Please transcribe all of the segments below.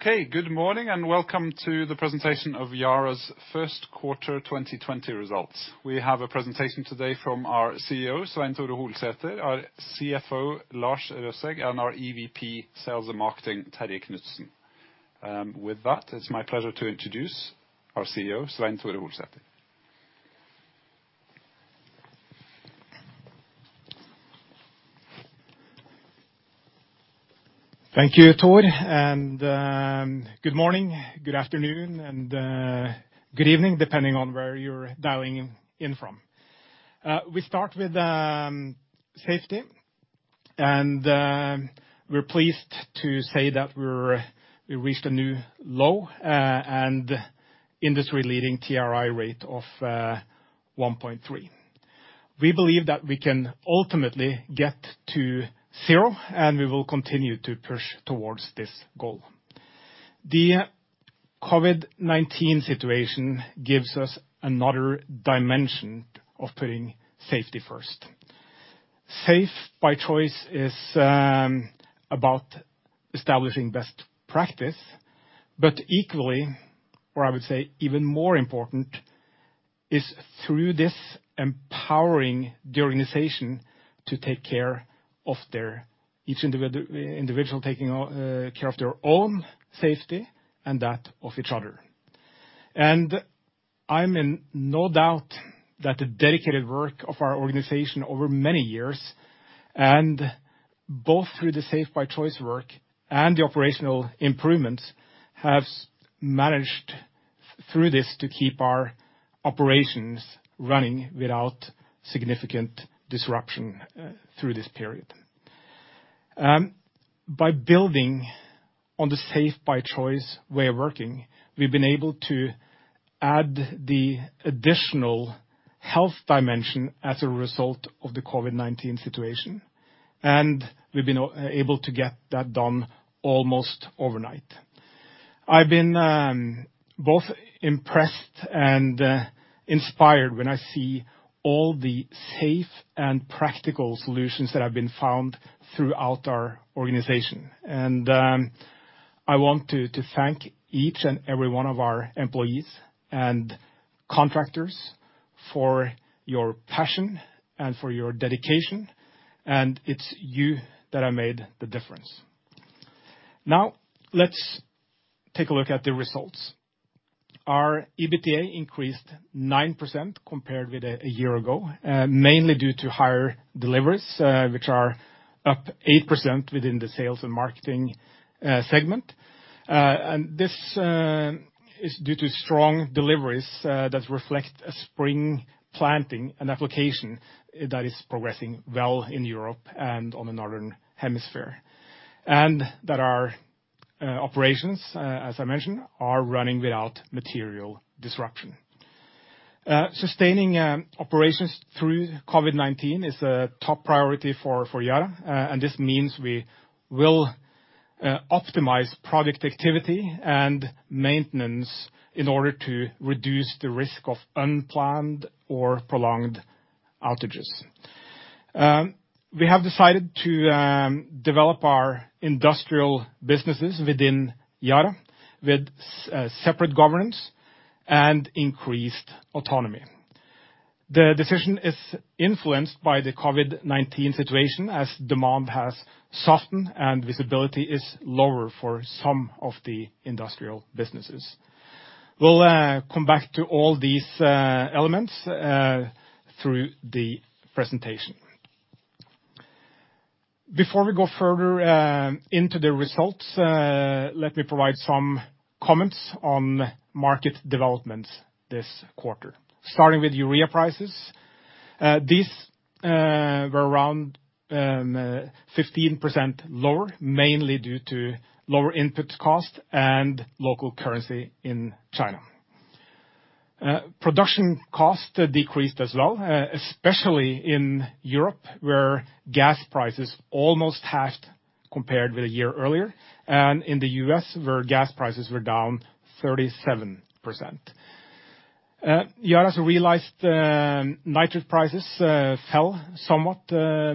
Okay. Good morning, and welcome to the presentation of Yara's first quarter 2020 results. We have a presentation today from our CEO, Svein Tore Holsether, our CFO, Lars Røsæg, and our EVP Sales and Marketing, Terje Knutsen. With that, it's my pleasure to introduce our CEO, Svein Tore Holsether. Thank you, Thor, good morning, good afternoon, and good evening, depending on where you're dialing in from. We start with safety. We're pleased to say that we reached a new low and industry-leading TRI rate of 1.3. We believe that we can ultimately get to zero. We will continue to push towards this goal. The COVID-19 situation gives us another dimension of putting safety first. Safe by Choice is about establishing best practice, but equally, or I would say even more important is through this, empowering the organization. Each individual taking care of their own safety and that of each other. I'm in no doubt that the dedicated work of our organization over many years, both through the Safe by Choice work and the operational improvements, have managed, through this, to keep our operations running without significant disruption through this period. By building on the Safe by Choice way of working, we've been able to add the additional health dimension as a result of the COVID-19 situation. We've been able to get that done almost overnight. I've been both impressed and inspired when I see all the safe and practical solutions that have been found throughout our organization. I want to thank each and every one of our employees and contractors for your passion and for your dedication, and it's you that have made the difference. Now, let's take a look at the results. Our EBITDA increased 9% compared with a year ago, mainly due to higher deliveries, which are up 8% within the Sales and Marketing segment. This is due to strong deliveries that reflect a spring planting and application that is progressing well in Europe and on the Northern Hemisphere. And that our operations, as I mentioned, are running without material disruption. Sustaining operations through COVID-19 is a top priority for Yara, and this means we will optimize product activity and maintenance in order to reduce the risk of unplanned or prolonged outages. We have decided to develop our industrial businesses within Yara with separate governance and increased autonomy. The decision is influenced by the COVID-19 situation as demand has softened and visibility is lower for some of the industrial businesses. We'll come back to all these elements through the presentation. Before we go further into the results, let me provide some comments on market developments this quarter. Starting with urea prices. These were around 15% lower, mainly due to lower input cost and local currency in China. Production cost decreased as well, especially in Europe, where gas prices almost halved compared with a year earlier, and in the U.S., where gas prices were down 37%. Yara's realized nitrogen prices fell somewhat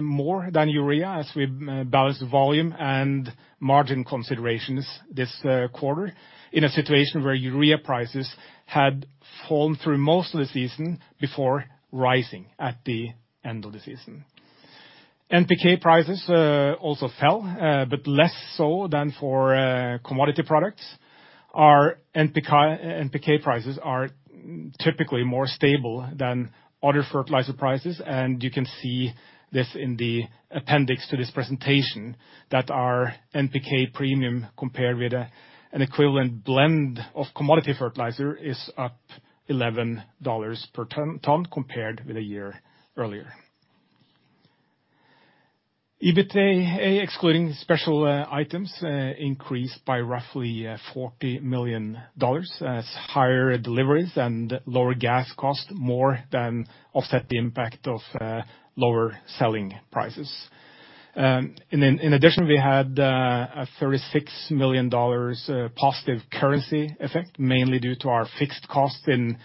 more than urea as we balanced volume and margin considerations this quarter in a situation where urea prices had fallen through most of the season before rising at the end of the season. NPK prices also fell, but less so than for commodity products. Our NPK prices are typically more stable than other fertilizer prices, and you can see this in the appendix to this presentation that our NPK premium, compared with an equivalent blend of commodity fertilizer, is up $11 per ton compared with a year earlier. EBITDA, excluding special items, increased by roughly $40 million as higher deliveries and lower gas cost more than offset the impact of lower selling prices. We had a $36 million positive currency effect, mainly due to our fixed cost in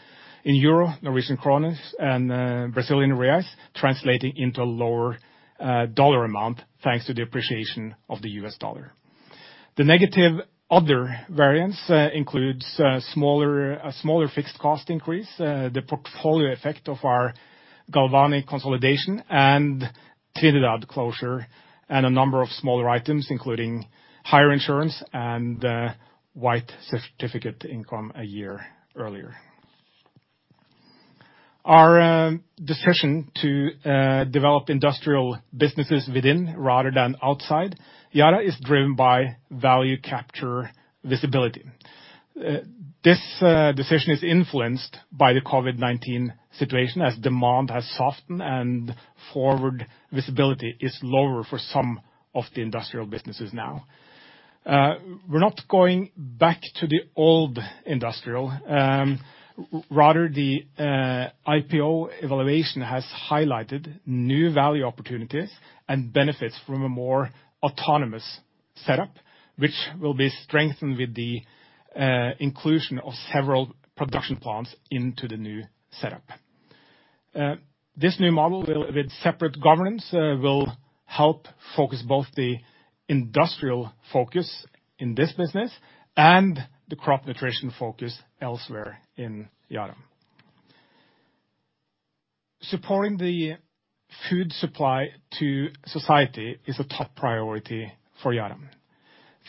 euro, Norwegian krone, and Brazilian real translating into a lower dollar amount, thanks to the appreciation of the U.S. dollar. The negative other variance includes a smaller fixed cost increase, the portfolio effect of our Galvani consolidation and Trinidad closure, and a number of smaller items, including higher insurance and white certificate income a year earlier. Our decision to develop industrial businesses within, rather than outside Yara, is driven by value capture visibility. This decision is influenced by the COVID-19 situation as demand has softened and forward visibility is lower for some of the industrial businesses now. We're not going back to the old industrial. The IPO evaluation has highlighted new value opportunities and benefits from a more autonomous setup, which will be strengthened with the inclusion of several production plants into the new setup. This new model with separate governance will help focus both the industrial focus in this business and the crop nutrition focus elsewhere in Yara. Supporting the food supply to society is a top priority for Yara.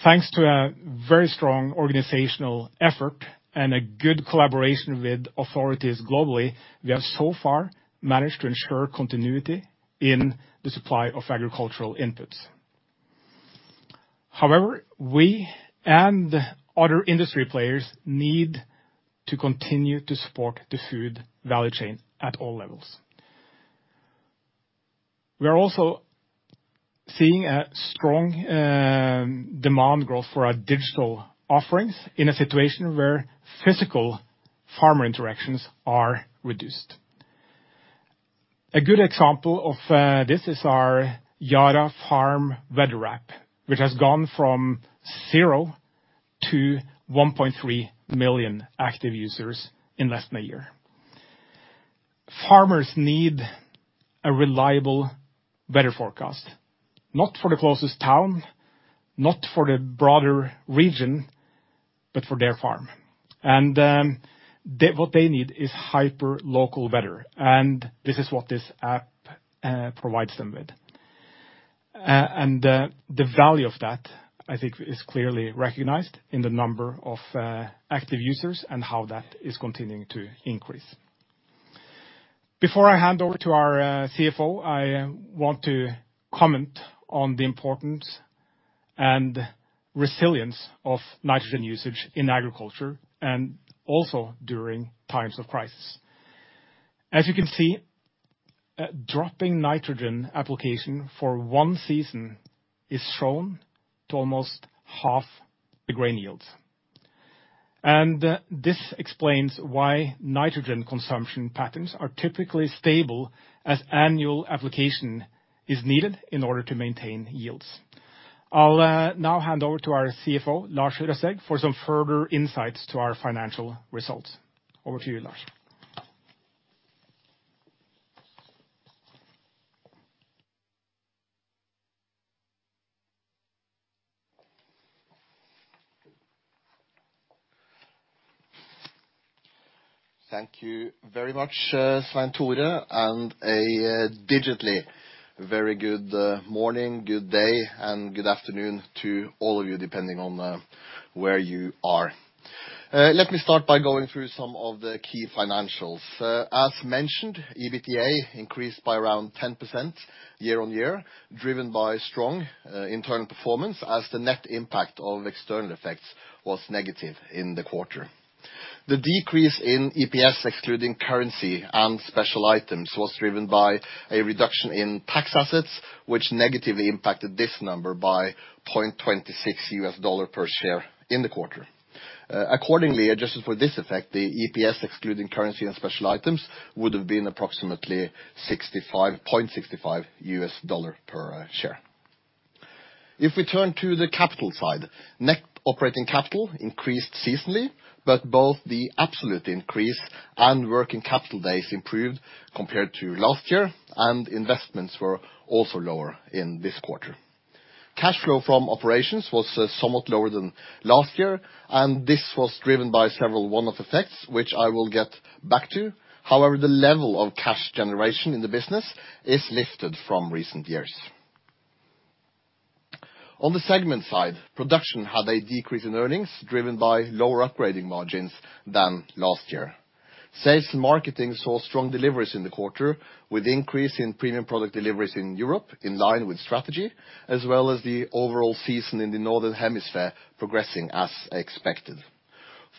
Thanks to a very strong organizational effort and a good collaboration with authorities globally, we have so far managed to ensure continuity in the supply of agricultural inputs. We and other industry players need to continue to support the food value chain at all levels. We are also seeing a strong demand growth for our digital offerings in a situation where physical farmer interactions are reduced. A good example of this is our Yara FarmWeather app, which has gone from zero to 1.3 million active users in less than a year. Farmers need a reliable weather forecast, not for the closest town, not for the broader region, but for their farm. What they need is hyperlocal weather, and this is what this app provides them with. The value of that, I think, is clearly recognized in the number of active users and how that is continuing to increase. Before I hand over to our CFO, I want to comment on the importance and resilience of nitrogen usage in agriculture, also during times of crisis. As you can see, dropping nitrogen application for one season is shown to almost half the grain yields. This explains why nitrogen consumption patterns are typically stable as annual application is needed in order to maintain yields. I'll now hand over to our CFO, Lars Røsæg, for some further insights to our financial results. Over to you, Lars. Thank you very much, Svein Tore, and a digitally very good morning, good day, and good afternoon to all of you, depending on where you are. Let me start by going through some of the key financials. As mentioned, EBITDA increased by around 10% year-on-year, driven by strong internal performance as the net impact of external effects was negative in the quarter. The decrease in EPS, excluding currency and special items, was driven by a reduction in tax assets, which negatively impacted this number by $0.26 per share in the quarter. Accordingly, adjusted for this effect, the EPS excluding currency and special items would have been approximately $0.65 per share. If we turn to the capital side, net operating capital increased seasonally, but both the absolute increase and working capital days improved compared to last year, and investments were also lower in this quarter. Cash flow from operations was somewhat lower than last year, and this was driven by several one-off effects, which I will get back to. However, the level of cash generation in the business is lifted from recent years. On the segment side, production had a decrease in earnings, driven by lower upgrading margins than last year. Sales and marketing saw strong deliveries in the quarter, with increase in premium product deliveries in Europe, in line with strategy, as well as the overall season in the northern hemisphere progressing as expected.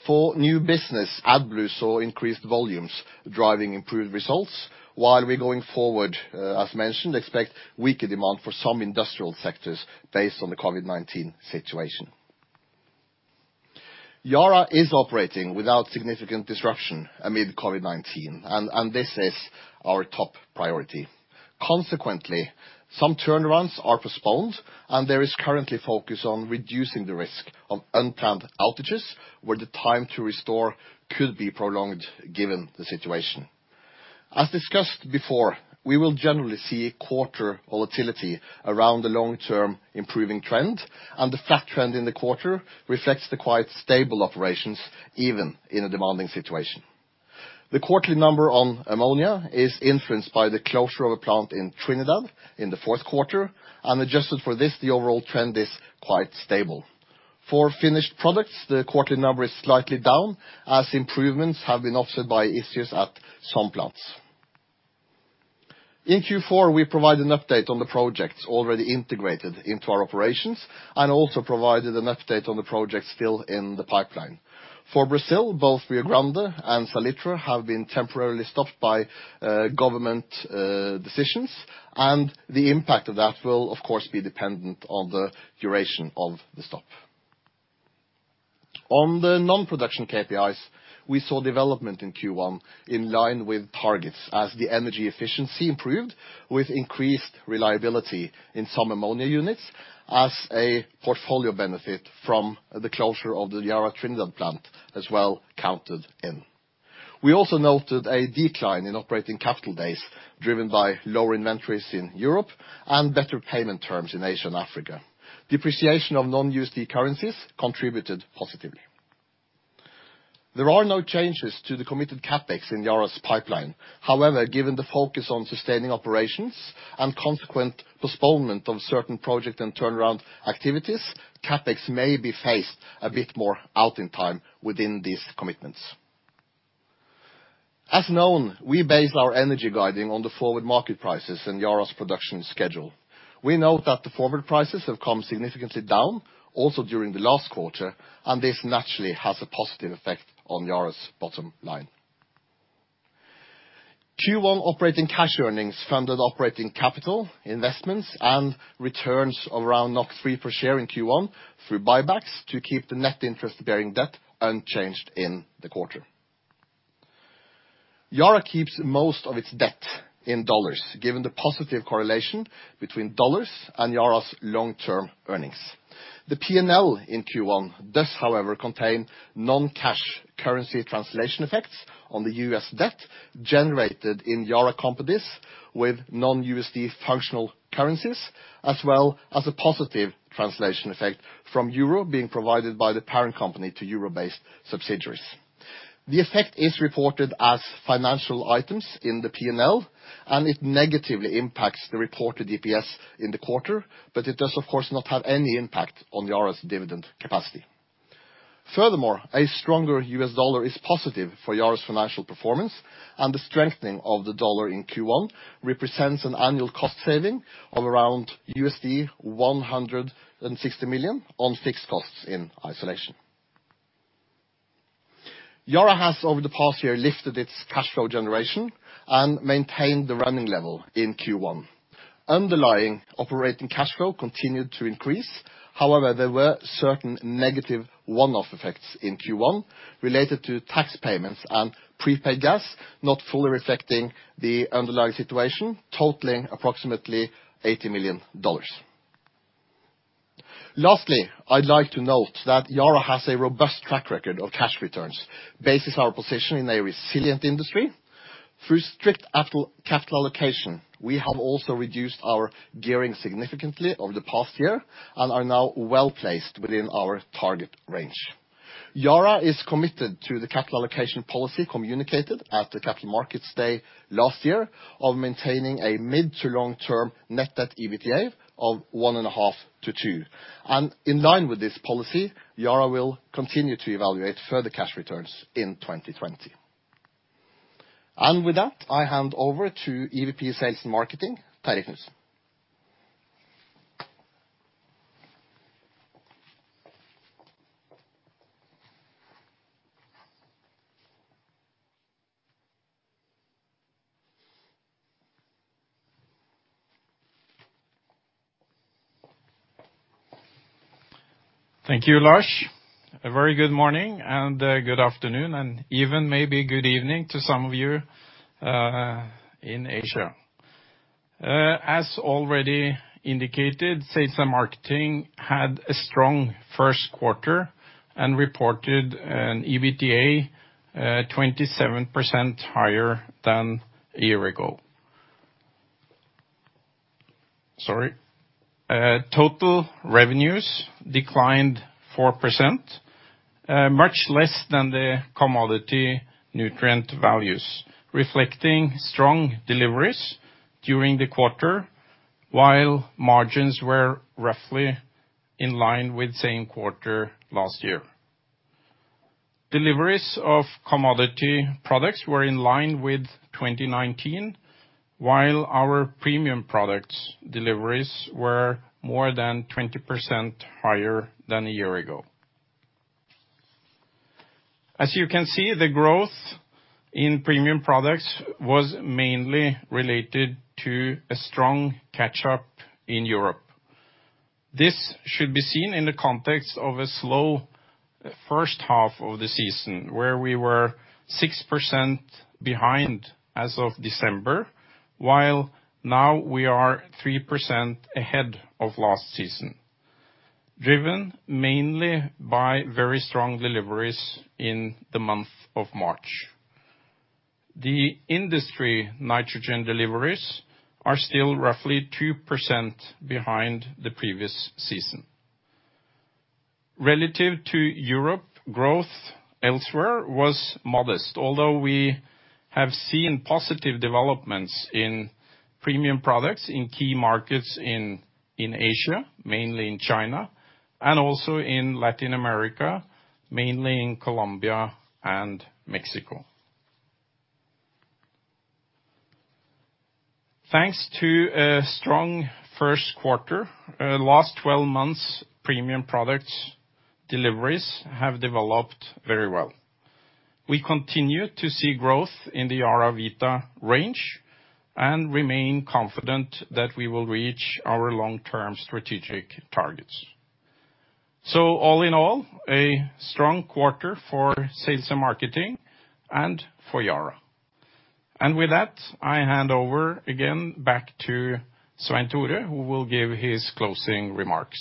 For new business, AdBlue saw increased volumes driving improved results, while we, going forward, as mentioned, expect weaker demand for some industrial sectors based on the COVID-19 situation. Yara is operating without significant disruption amid COVID-19, and this is our top priority. Consequently, some turnarounds are postponed and there is currently focus on reducing the risk of unplanned outages where the time to restore could be prolonged given the situation. As discussed before, we will generally see quarter volatility around the long-term improving trend, and the flat trend in the quarter reflects the quite stable operations even in a demanding situation. The quarterly number on ammonia is influenced by the closure of a plant in Trinidad in the fourth quarter, and adjusted for this, the overall trend is quite stable. For finished products, the quarterly number is slightly down, as improvements have been offset by issues at some plants. In Q4, we provide an update on the projects already integrated into our operations, and also provided an update on the projects still in the pipeline. For Brazil, both Rio Grande and Salitre have been temporarily stopped by government decisions. The impact of that will, of course, be dependent on the duration of the stop. On the non-production KPIs, we saw development in Q1 in line with targets, as the energy efficiency improved with increased reliability in some Ammonia units as a portfolio benefit from the closure of the Yara Trinidad plant as well counted in. We also noted a decline in operating capital days, driven by lower inventories in Europe and better payment terms in Asia and Africa. Depreciation of non-USD currencies contributed positively. There are no changes to the committed CapEx in Yara's pipeline. However, given the focus on sustaining operations and consequent postponement of certain project and turnaround activities, CapEx may be phased a bit more out in time within these commitments. As known, we base our energy guiding on the forward market prices and Yara's production schedule. We note that the forward prices have come significantly down also during the last quarter, and this naturally has a positive effect on Yara's bottom line. Q1 operating cash earnings funded operating capital investments and returns of around 3 per share in Q1 through buybacks to keep the net interest-bearing debt unchanged in the quarter. Yara keeps most of its debt in dollars, given the positive correlation between dollars and Yara's long-term earnings. The P&L in Q1 does, however, contain non-cash currency translation effects on the U.S. debt generated in Yara companies with non-USD functional currencies, as well as a positive translation effect from euro being provided by the parent company to euro-based subsidiaries. The effect is reported as financial items in the P&L, and it negatively impacts the reported EPS in the quarter, but it does of course not have any impact on Yara's dividend capacity. Furthermore, a stronger U.S. dollar is positive for Yara's financial performance, and the strengthening of the dollar in Q1 represents an annual cost saving of around $160 million on fixed costs in isolation. Yara has, over the past year, lifted its cash flow generation and maintained the running level in Q1. Underlying operating cash flow continued to increase. However, there were certain negative one-off effects in Q1 related to tax payments and prepaid gas, not fully reflecting the underlying situation, totaling approximately $80 million. Lastly, I'd like to note that Yara has a robust track record of cash returns, bases our position in a resilient industry. Through strict capital allocation, we have also reduced our gearing significantly over the past year and are now well-placed within our target range. Yara is committed to the capital allocation policy communicated at the Capital Markets Day last year of maintaining a mid to long-term net debt/EBITDA of 1.5-2.0. In line with this policy, Yara will continue to evaluate further cash returns in 2020. With that, I hand over to EVP, Sales and Marketing, Terje Knutsen. Thank you, Lars. A very good morning and good afternoon, and even maybe good evening to some of you in Asia. As already indicated, Sales and Marketing had a strong first quarter and reported an EBITDA 27% higher than a year ago. Sorry. Total revenues declined 4%, much less than the commodity nutrient values, reflecting strong deliveries during the quarter, while margins were roughly in line with same quarter last year. Deliveries of commodity products were in line with 2019, while our premium products deliveries were more than 20% higher than a year ago. As you can see, the growth in premium products was mainly related to a strong catch-up in Europe. This should be seen in the context of a slow first half of the season, where we were 6% behind as of December, while now we are 3% ahead of last season. Driven mainly by very strong deliveries in the month of March. The industry nitrogen deliveries are still roughly 2% behind the previous season. Relative to Europe, growth elsewhere was modest. Although we have seen positive developments in premium products in key markets in Asia, mainly in China, and also in Latin America, mainly in Colombia and Mexico. Thanks to a strong first quarter, last 12 months premium products deliveries have developed very well. We continue to see growth in the YaraVita range and remain confident that we will reach our long-term strategic targets. All in all, a strong quarter for sales and marketing and for Yara. With that, I hand over again back to Svein Tore, who will give his closing remarks.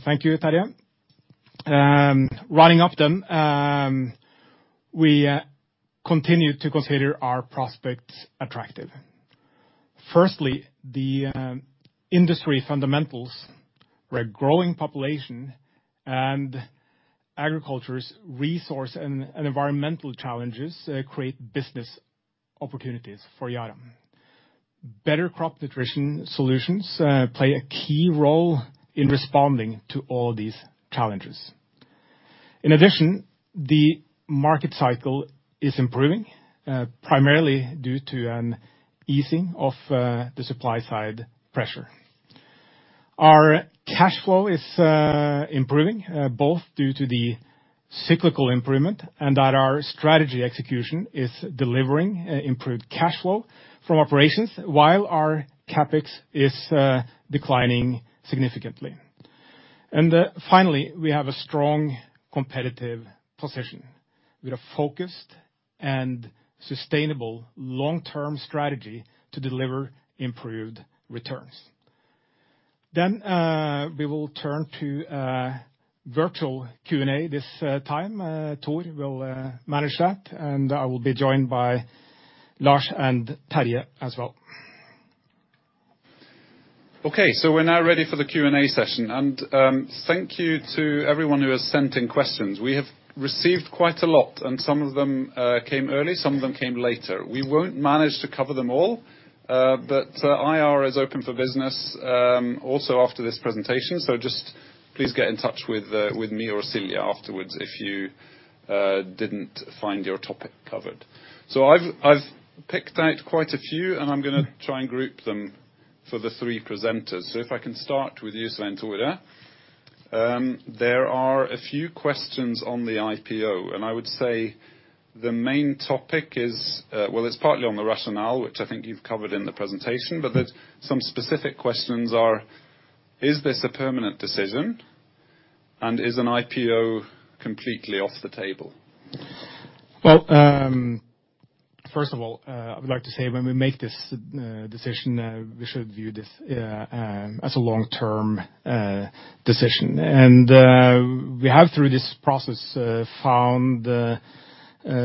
Thank you, Terje. Writing up them, we continue to consider our prospects attractive. Firstly, the industry fundamentals, where growing population and agriculture's resource and environmental challenges create business opportunities for Yara. Better crop nutrition solutions play a key role in responding to all these challenges. In addition, the market cycle is improving, primarily due to an easing of the supply side pressure. Our cash flow is improving, both due to the cyclical improvement and that our strategy execution is delivering improved cash flow from operations, while our CapEx is declining significantly. Finally, we have a strong competitive position with a focused and sustainable long-term strategy to deliver improved returns. We will turn to virtual Q&A this time. Thor will manage that, and I will be joined by Lars and Terje as well. Okay. We're now ready for the Q&A session. Thank you to everyone who has sent in questions. We have received quite a lot, and some of them came early, some of them came later. We won't manage to cover them all, but IR is open for business also after this presentation. Just please get in touch with me or Celia afterwards if you didn't find your topic covered. I've picked out quite a few, and I'm going to try and group them for the three presenters. If I can start with you, Svein Tore. There are a few questions on the IPO, and I would say the main topic is well, it's partly on the rationale, which I think you've covered in the presentation, but some specific questions are. Is this a permanent decision? Is an IPO completely off the table? Well, first of all, I would like to say when we make this decision, we should view this as a long-term decision. We have, through this process, found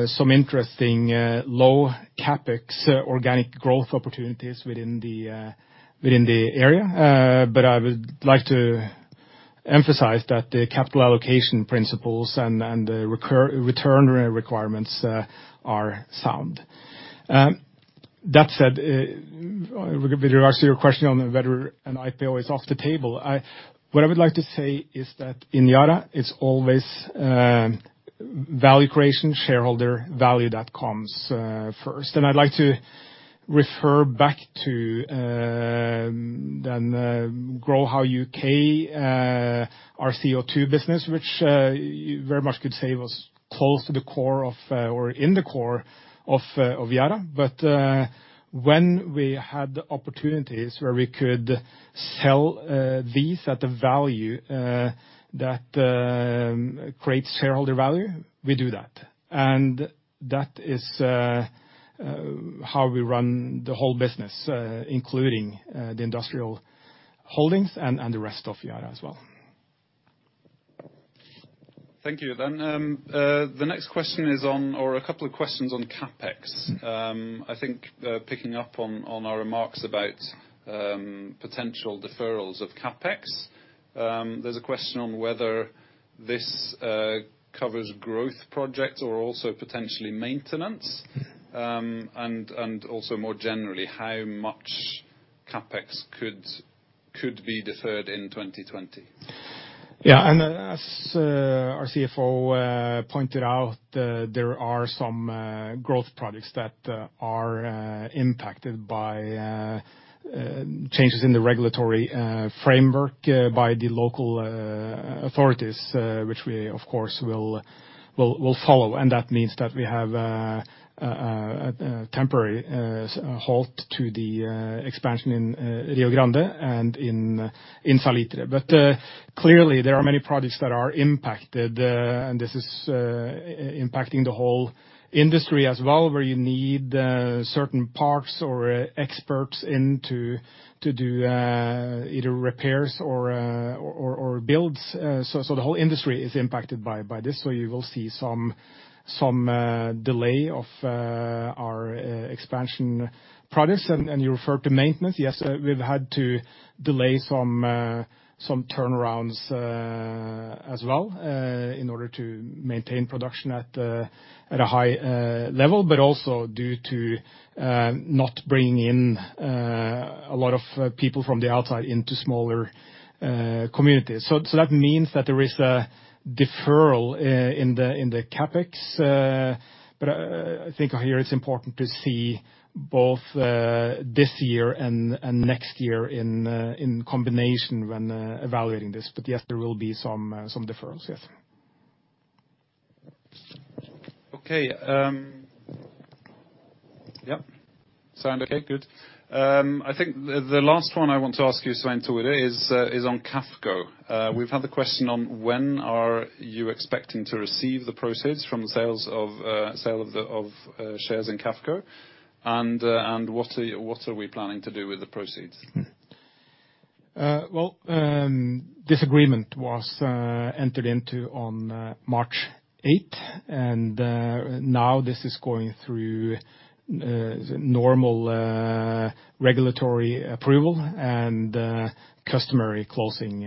some interesting low CapEx organic growth opportunities within the area. I would like to emphasize that the capital allocation principles and the return requirements are sound. That said, with regards to your question on whether an IPO is off the table, what I would like to say is that in Yara, it's always value creation, shareholder value that comes first. I'd like to refer back to the GrowHow UK, our CO2 business, which you very much could say was close to the core of or in the core of Yara. When we had the opportunities where we could sell these at a value that creates shareholder value, we do that. That is how we run the whole business, including the industrial holdings and the rest of Yara as well. Thank you then. The next question is on, or a couple of questions on CapEx. I think picking up on our remarks about potential deferrals of CapEx, there's a question on whether this covers growth projects or also potentially maintenance. Also more generally, how much CapEx could be deferred in 2020. Yeah. As our CFO pointed out, there are some growth products that are impacted by changes in the regulatory framework by the local authorities which we, of course, will follow, and that means that we have a temporary halt to the expansion in Rio Grande and in Salitre. Clearly there are many projects that are impacted, and this is impacting the whole industry as well, where you need certain parts or experts in to do either repairs or builds. The whole industry is impacted by this. You will see some delay of our expansion products. You referred to maintenance. Yes, we've had to delay some turnarounds as well, in order to maintain production at a high level, but also due to not bringing in a lot of people from the outside into smaller communities. That means that there is a deferral in the CapEx. I think here it's important to see both this year and next year in combination when evaluating this. Yes, there will be some deferrals. Yes. Okay. Yep. Sound okay? Good. I think the last one I want to ask you, Svein Tore, is on QAFCO. We've had the question on when are you expecting to receive the proceeds from the sale of shares in QAFCO, and what are we planning to do with the proceeds? Well, this agreement was entered into on March 8th, and now this is going through normal regulatory approval and customary closing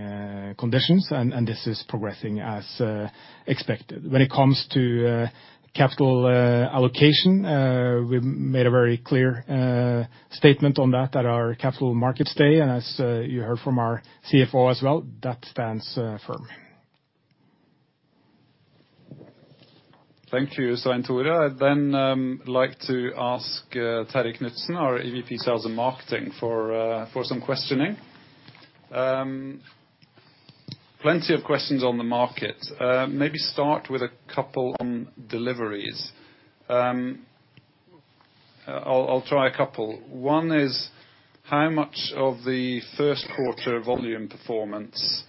conditions, and this is progressing as expected. When it comes to capital allocation, we made a very clear statement on that at our Capital Markets Day, and as you heard from our CFO as well, that stands firm. Thank you, Svein Tore. I'd like to ask Terje Knutsen, our EVP, Sales and Marketing, for some questioning. Plenty of questions on the market. Maybe start with a couple on deliveries. I'll try a couple. One is, how much of the first quarter volume performance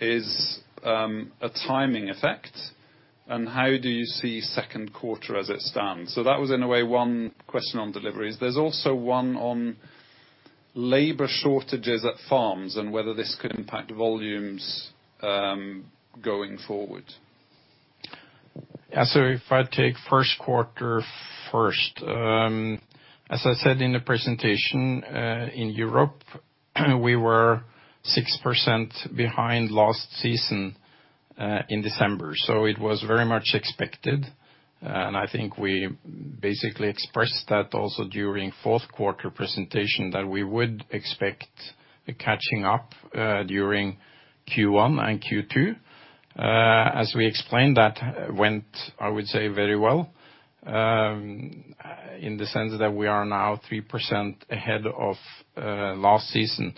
is a timing effect, and how do you see second quarter as it stands? That was in a way, one question on deliveries. There's also one on labor shortages at farms and whether this could impact volumes going forward. Yeah, if I take first quarter first. As I said in the presentation, in Europe we were 6% behind last season in December. It was very much expected, and I think we basically expressed that also during fourth quarter presentation that we would expect a catching up during Q1 and Q2. As we explained, that went, I would say, very well, in the sense that we are now 3% ahead of last season.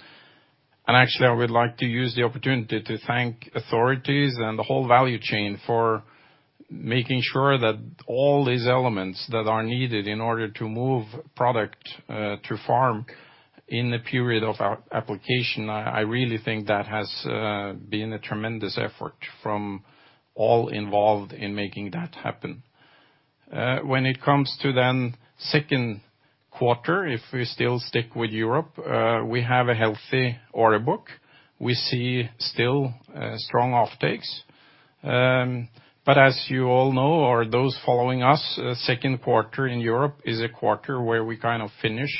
Actually, I would like to use the opportunity to thank authorities and the whole value chain for making sure that all these elements that are needed in order to move product to farm in the period of application. I really think that has been a tremendous effort from all involved in making that happen. When it comes to second quarter, if we still stick with Europe, we have a healthy order book. We see still strong offtakes. As you all know, or those following us, second quarter in Europe is a quarter where we kind of finish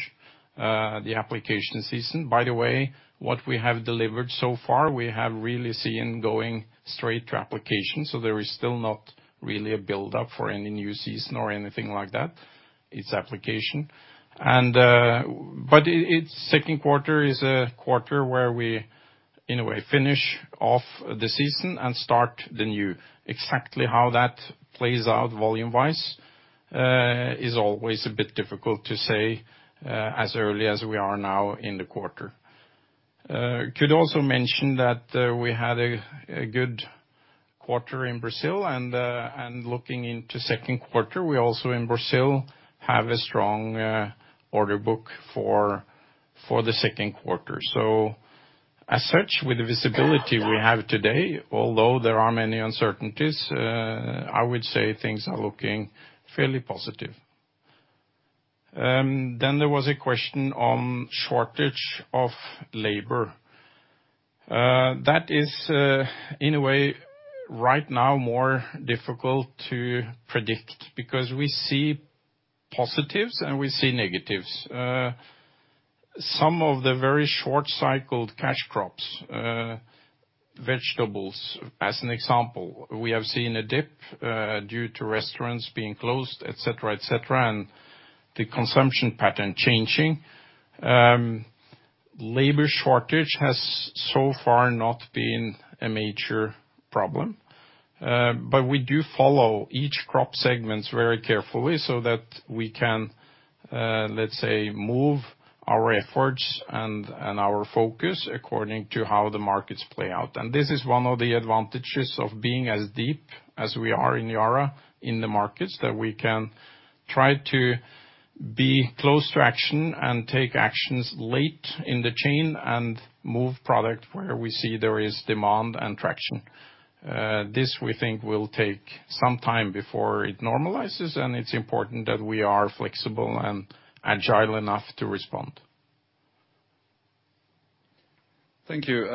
the application season. By the way, what we have delivered so far, we have really seen going straight to application. There is still not really a buildup for any new season or anything like that. It's application. Its second quarter is a quarter where we, in a way, finish off the season and start the new. Exactly how that plays out volume wise, is always a bit difficult to say, as early as we are now in the quarter. Could also mention that we had a good quarter in Brazil and looking into second quarter, we also in Brazil have a strong order book for the second quarter. As such, with the visibility we have today, although there are many uncertainties, I would say things are looking fairly positive. There was a question on shortage of labor. That is, in a way, right now more difficult to predict because we see positives and we see negatives. Some of the very short cycled cash crops, vegetables, as an example, we have seen a dip due to restaurants being closed, et cetera. The consumption pattern changing. Labor shortage has so far not been a major problem. We do follow each crop segment very carefully so that we can, let's say, move our efforts and our focus according to how the markets play out. This is one of the advantages of being as deep as we are in Yara in the markets, that we can try to be close to action and take actions late in the chain and move product where we see there is demand and traction. This, we think, will take some time before it normalizes, and it's important that we are flexible and agile enough to respond. Thank you.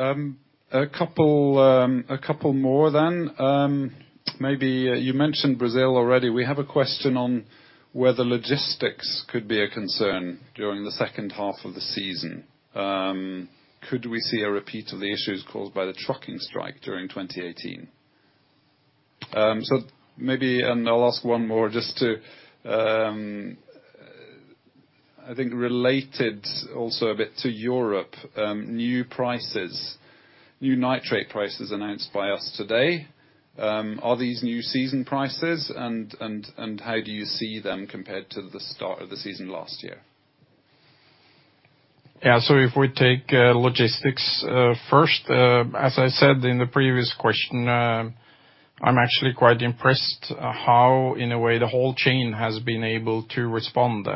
A couple more. You mentioned Brazil already. We have a question on whether logistics could be a concern during the second half of the season. Could we see a repeat of the issues caused by the trucking strike during 2018? Maybe, I'll ask one more just to, I think, related also a bit to Europe, new prices, new nitrate prices announced by us today. Are these new season prices? How do you see them compared to the start of the season last year? If we take logistics first, as I said in the previous question, I'm actually quite impressed how, in a way, the whole chain has been able to respond.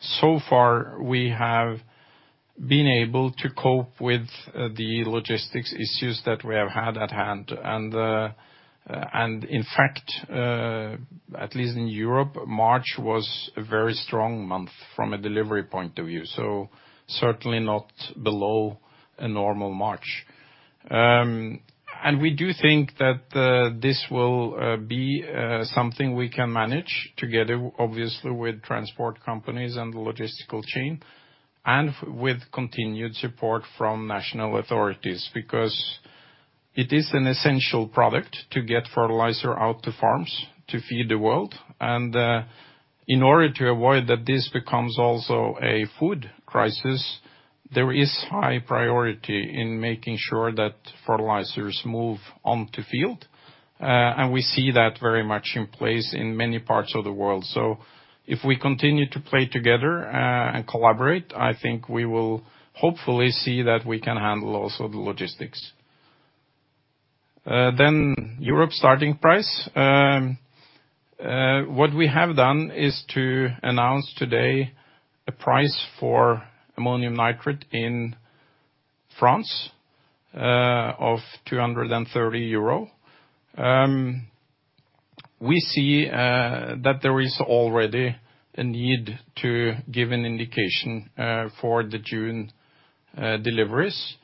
So far, we have been able to cope with the logistics issues that we have had at hand. In fact, at least in Europe, March was a very strong month from a delivery point of view. Certainly not below a normal March. We do think that this will be something we can manage together, obviously, with transport companies and the logistical chain, and with continued support from national authorities. It is an essential product to get fertilizer out to farms to feed the world. In order to avoid that this becomes also a food crisis, there is high priority in making sure that fertilizers move onto field. We see that very much in place in many parts of the world. If we continue to play together and collaborate, I think we will hopefully see that we can handle also the logistics. Europe starting price. What we have done is to announce today a price for ammonium nitrate in France of 230 euro. We see that there is already a need to give an indication for the June deliveries.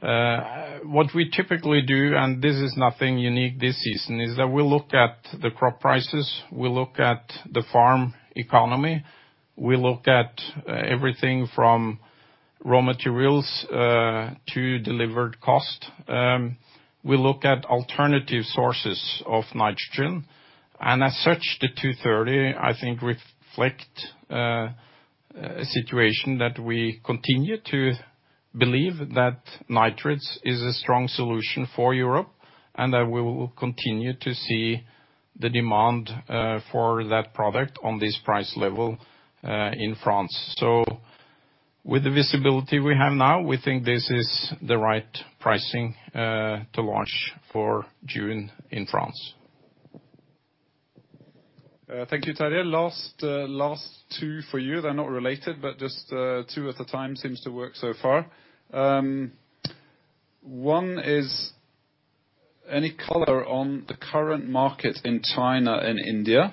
What we typically do, and this is nothing unique this season, is that we look at the crop prices, we look at the farm economy, we look at everything from raw materials to delivered cost. We look at alternative sources of nitrogen. As such, the 230, I think, reflect a situation that we continue to believe that nitrates is a strong solution for Europe, and that we will continue to see the demand for that product on this price level in France. With the visibility we have now, we think this is the right pricing to launch for June in France. Thank you, Terje. Last two for you. They're not related, but just two at a time seems to work so far. One is, any color on the current market in China and India?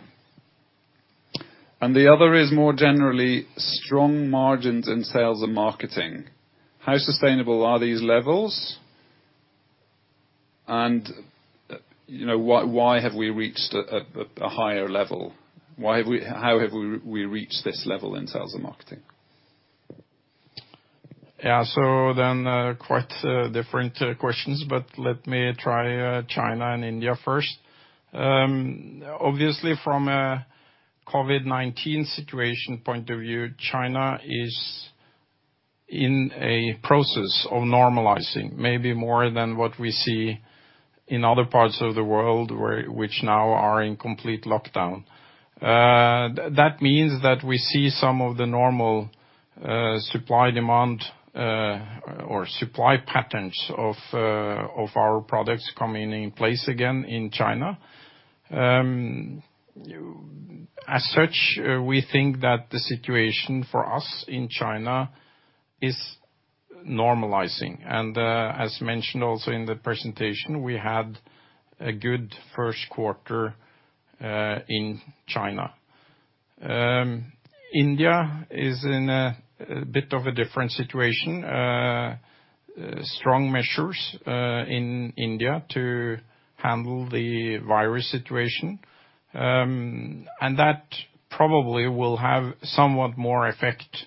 The other is more generally strong margins in sales and marketing. How sustainable are these levels? Why have we reached a higher level? How have we reached this level in sales and marketing? Yeah. Quite different questions, but let me try China and India first. Obviously, from a COVID-19 situation point of view, China is in a process of normalizing, maybe more than what we see in other parts of the world which now are in complete lockdown. That means that we see some of the normal supply demand or supply patterns of our products coming in place again in China. As such, we think that the situation for us in China is normalizing. As mentioned also in the presentation, we had a good first quarter in China. India is in a bit of a different situation. Strong measures in India to handle the virus situation. That probably will have somewhat more effect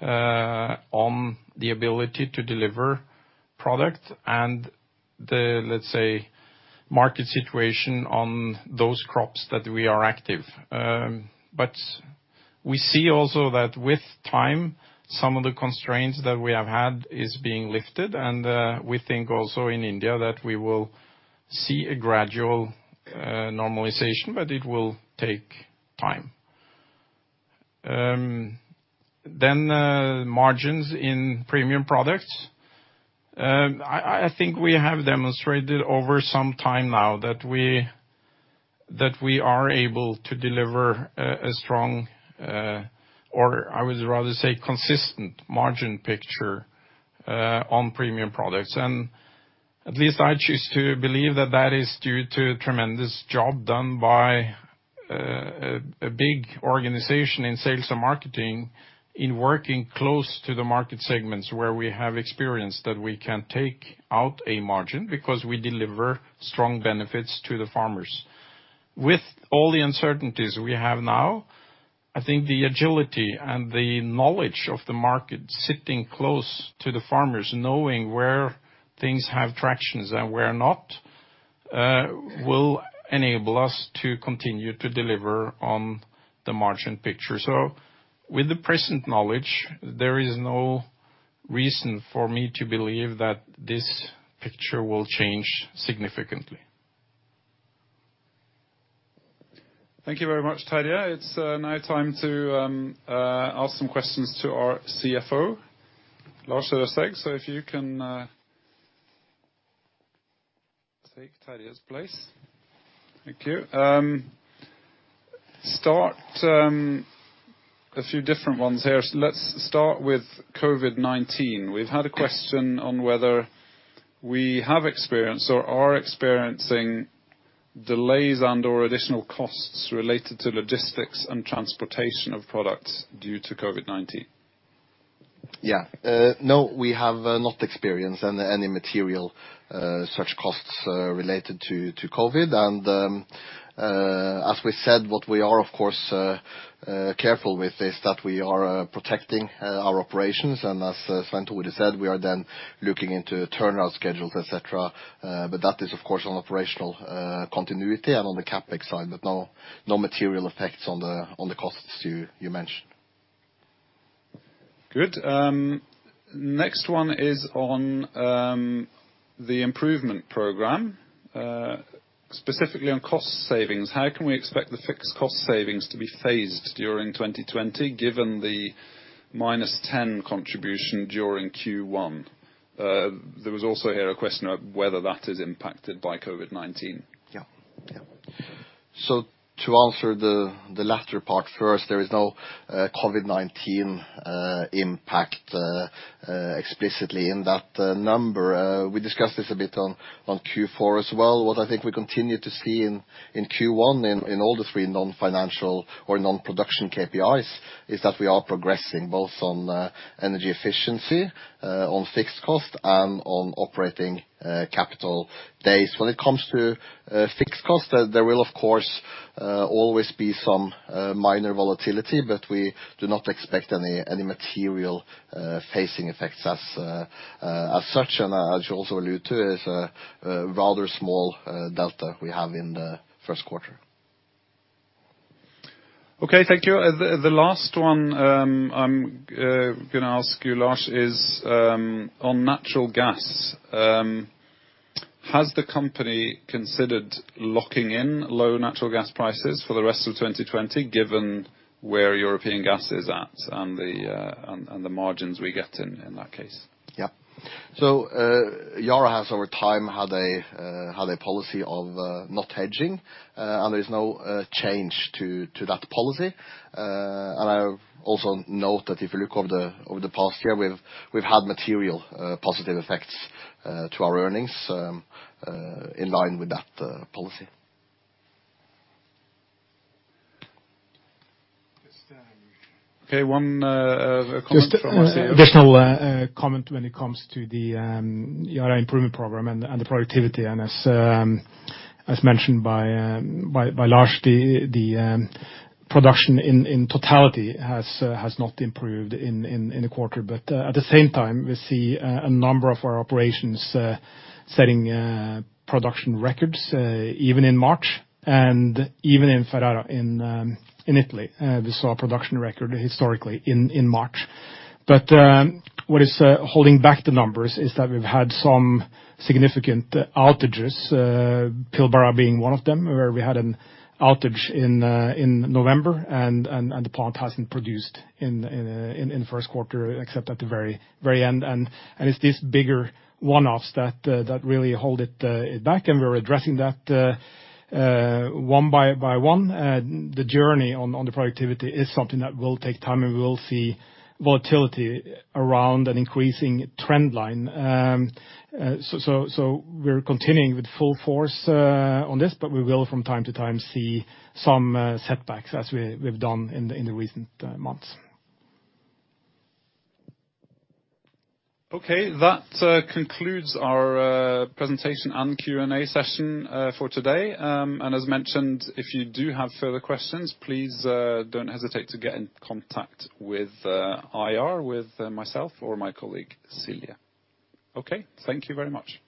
on the ability to deliver product and the, let's say, market situation on those crops that we are active. We see also that with time, some of the constraints that we have had is being lifted. We think also in India that we will see a gradual normalization, but it will take time. Margins in premium products. I think we have demonstrated over some time now that we are able to deliver a strong, or I would rather say, consistent margin picture on premium products. At least I choose to believe that that is due to a tremendous job done by a big organization in sales and marketing in working close to the market segments where we have experienced that we can take out a margin because we deliver strong benefits to the farmers. With all the uncertainties we have now, I think the agility and the knowledge of the market sitting close to the farmers, knowing where things have tractions and where not, will enable us to continue to deliver on the margin picture. With the present knowledge, there is no reason for me to believe that this picture will change significantly. Thank you very much, Terje. It's now time to ask some questions to our CFO, Lars Røsæg. If you can take Terje's place. Thank you. Start a few different ones here. Let's start with COVID-19. We've had a question on whether we have experienced or are experiencing delays and/or additional costs related to logistics and transportation of products due to COVID-19. Yeah. No, we have not experienced any material such costs related to COVID. As we said, what we are of course careful with is that we are protecting our operations. As Svein Tore said, we are then looking into turnaround schedules, et cetera. That is of course on operational continuity and on the CapEx side, but no material effects on the costs you mentioned. Good. Next one is on the improvement program, specifically on cost savings. How can we expect the fixed cost savings to be phased during 2020 given the -10 contribution during Q1? There was also here a question of whether that is impacted by COVID-19. Yeah. To answer the latter part first, there is no COVID-19 impact explicitly in that number. We discussed this a bit on Q4 as well. What I think we continue to see in Q1 in all the three non-financial or non-production KPIs is that we are progressing both on energy efficiency, on fixed cost, and on operating capital days. When it comes to fixed cost, there will of course always be some minor volatility, but we do not expect any material phasing effects as such. As you also allude to, it's a rather small delta we have in the first quarter. Okay, thank you. The last one I'm going to ask you, Lars, is on natural gas. Has the company considered locking in low natural gas prices for the rest of 2020 given where European gas is at and the margins we get in that case? Yeah. Yara has over time had a policy of not hedging, There is no change to that policy. I also note that if you look over the past year, we've had material positive effects to our earnings in line with that policy. Okay, one comment from our CEO. Just additional comment when it comes to the Yara improvement program and the productivity. As mentioned by Lars, the production in totality has not improved in the quarter. At the same time, we see a number of our operations setting production records even in March and even in Ferrara in Italy. We saw a production record historically in March. What is holding back the numbers is that we've had some significant outages, Pilbara being one of them, where we had an outage in November and the plant hasn't produced in first quarter except at the very end. It's these bigger one-offs that really hold it back, and we're addressing that one by one. The journey on the productivity is something that will take time, and we will see volatility around an increasing trend line. We're continuing with full force on this, but we will from time to time see some setbacks as we've done in the recent months. Okay, that concludes our presentation and Q&A session for today. As mentioned, if you do have further questions, please don't hesitate to get in contact with IR, with myself or my colleague, Celia. Okay. Thank you very much.